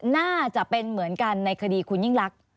น่าจะเป็นเหมือนกันในคดีคุณยิ่งรัก